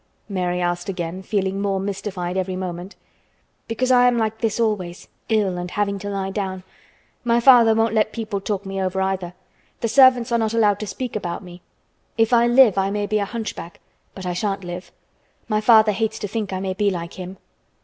Mary asked again, feeling more mystified every moment. "Because I am like this always, ill and having to lie down. My father won't let people talk me over either. The servants are not allowed to speak about me. If I live I may be a hunchback, but I shan't live. My father hates to think I may be like him."